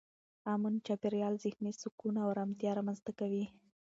امن چاپېریال ذهني سکون او ارامتیا رامنځته کوي.